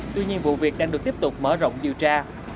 tuy nhiên vụ việc đang được tiếp tục mở rộng điều tra